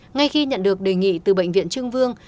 ngay khi nhận được đề nghị từ bệnh viện trưng vương